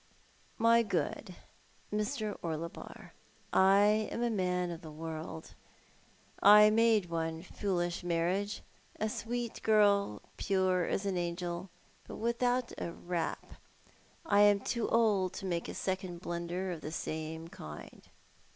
" My good Mr. Orlebar, I am a man of the world. I made one foolish marriage — a sweet girl, pure as an angel, but with out a rap. I am too old to make a second blunder of the same kind.